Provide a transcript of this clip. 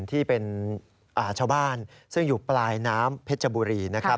ที่เป็นชาวบ้านซึ่งอยู่ปลายน้ำเพชรบุรีนะครับ